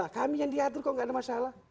kami yang diatur kok nggak ada masalah